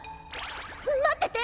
まってて。